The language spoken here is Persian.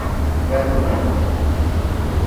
برکند